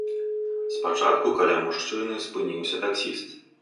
Спачатку каля мужчыны спыніўся таксіст.